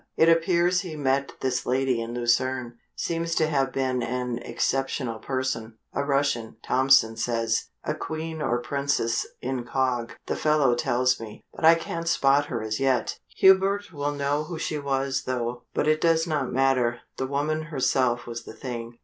It appears he met this lady in Lucerne seems to have been an exceptional person a Russian, Tompson says a Queen or Princess incog., the fellow tells me but I can't spot her as yet. Hubert will know who she was, though but it does not matter the woman herself was the thing.